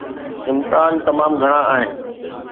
امڪان تمام گهڻا آهن.